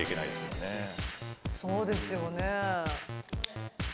そうですよね。